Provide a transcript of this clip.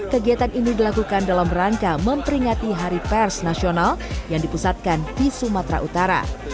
kegiatan ini dilakukan dalam rangka memperingati hari pers nasional yang dipusatkan di sumatera utara